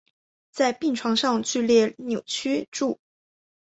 在病床上剧烈扭曲著